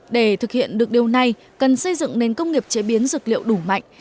để thực hiện được điều này cần xây dựng nền công nghiệp chế biến dược liệu đủ mạnh